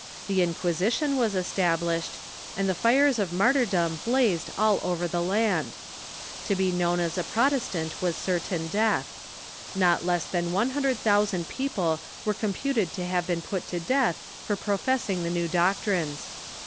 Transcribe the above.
The Inquisition Avas established, and the fires of martyrdom blazed all over the land. To be knoAvn as a Protestant Avas certain death. Not less than one hundred thousand people are computed to have been put to death for professing the new doctrines.